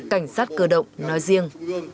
cảnh sát cơ động nói riêng